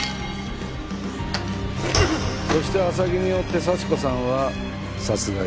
そして浅木によって幸子さんは殺害された。